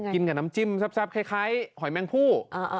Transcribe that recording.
กินกับน้ำจิ้มแซ่บคล้ายหอยแมงผู้